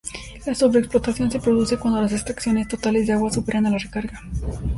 La sobreexplotación se produce cuando las extracciones totales de agua superan a la recarga.